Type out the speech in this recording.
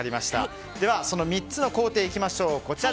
ではその３つの工程いきましょう。